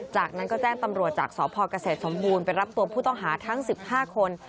จากนั้นก็แจ้งตำรวจจากสพเกษตรสมบูรณ์ไปรับตัวผู้ต้องหาทั้ง๑๕คน